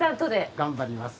頑張りますと。